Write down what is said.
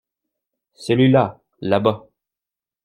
Celui-là là-bas.